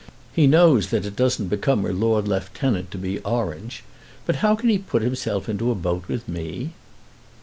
He knows that it doesn't become a Lord Lieutenant to be Orange. But how can he put himself into a boat with me?"